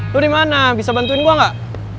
lo dimana bisa bantuin gue gak